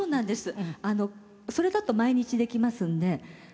それだと毎日できますんで。